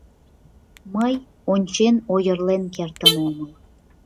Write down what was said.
Мый, ончен, ойырлен кертын омыл.